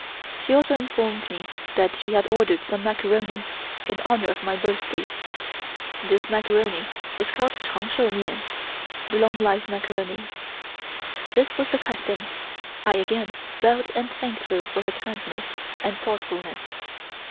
She also informed me that she had ordered some macaroni in honor of my birthday. This macaroni is called (Chang Shou Me'en) long life macaroni. This was the custom. I again bowed and thanked her for her kindness and thoughtfulness.